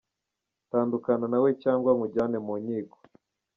Tandukana na we cyangwa nkujyane mu nkiko.